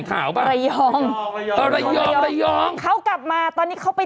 ที่เราเคยอ่านข่าวป่ะ